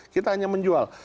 kita hanya menjual